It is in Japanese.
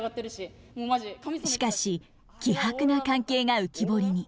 しかし希薄な関係が浮き彫りに。